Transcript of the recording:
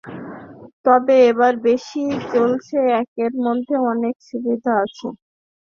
তবে এবার বেশি চলছে একের মধ্যে অনেক সুবিধা আছে এমন যন্ত্রগুলো।